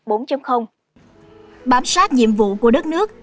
bám sát nhiệm vụ của đất nước